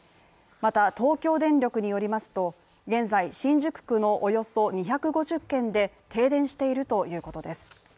また東京電力によりますと新宿区のおよそ２５０軒で停電しているということです。